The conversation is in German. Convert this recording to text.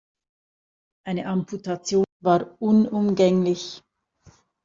Eine Amputation war unumgänglich.